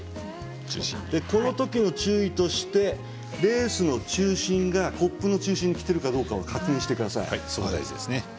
このときの注意としてレースの中心がコップの中心にきているかどうか確認してください。